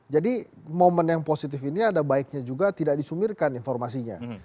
jadi momen yang positif ini ada baiknya juga tidak disumirkan informasinya